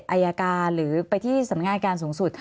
อายการหรือไปที่สำนักงานการสูงสุด